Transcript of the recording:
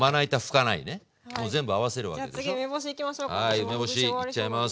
はい梅干しいっちゃいます。